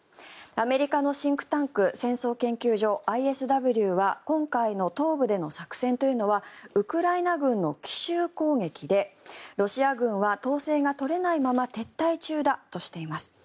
アメリカのシンクタンク戦争研究所・ＩＳＷは今回の東部での作戦というのはウクライナ軍の奇襲攻撃でロシア軍は統制が取れないまま撤退中だとしています。